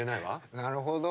なるほど。